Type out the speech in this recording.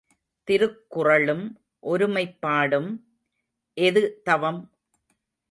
திருக்குறளும் ஒருமைப்பாடும் எது தவம்?